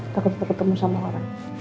takut ketemu sama orang